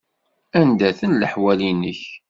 Anda-ten leḥwal-nnek?